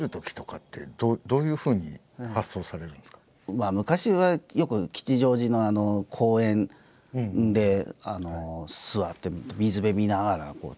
まあ昔はよく吉祥寺の公園で座って水辺見ながら作ってたりとか。